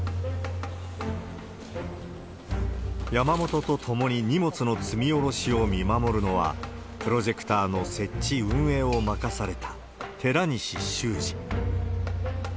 山本と共に荷物の積み下ろしを見守るのは、プロジェクターの設置、運営を任された寺西修二。